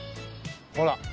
ほら。